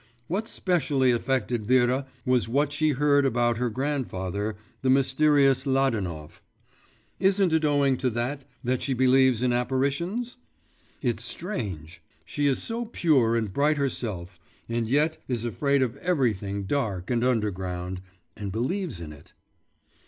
What specially affected Vera was what she heard about her grandfather, the mysterious Ladanov. Isn't it owing to that that she believes in apparitions? It's strange! She is so pure and bright herself, and yet is afraid of everything dark and underground, and believes in it.